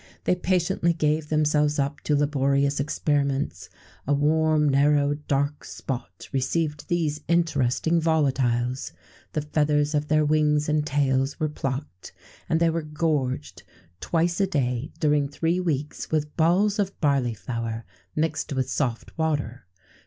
They patiently gave themselves up to laborious experiments: a warm, narrow, dark spot received these interesting volatiles; the feathers of their wings and tails were plucked, and they were gorged twice a day during three weeks with balls of barley flour mixed with soft water.